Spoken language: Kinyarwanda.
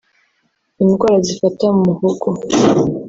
indwara zifata mu muhogo